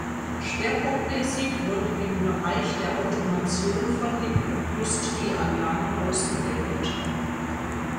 Schwerpunktmäßig wird im Bereich der Automation von Industrieanlagen ausgebildet.